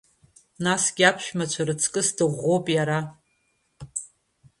Насгьы аԥшәмацәа раҵкыс дыӷәӷәоуп иара.